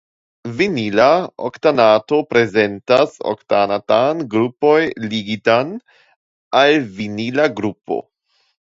Vinila oktanato prezentas oktanatan grupon ligitan al vinila grupo.